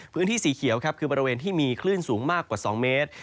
พื้นที่สีเขียวครับคือบริเวณที่มีคลื่นสูงมากกว่า๒เมตร